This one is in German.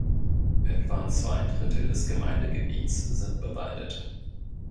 Etwa zwei Drittel des Gemeindegebiets sind bewaldet.